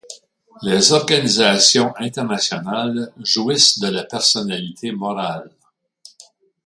Les organisations internationales jouissent de la personnalité morale.